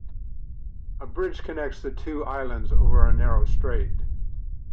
A bridge connects the two islands over a narrow strait.